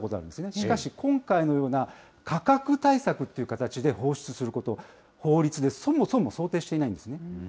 しかし、今回のような価格対策という形で放出すること、法律でそもそも想定していないんですね。